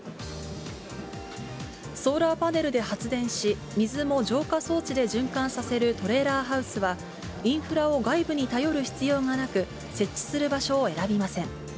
ソーラーパネルで発電し、水も浄化装置で循環させるトレーラーハウスは、インフラを外部に頼る必要がなく、設置する場所を選びません。